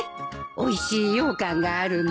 おいしいようかんがあるの。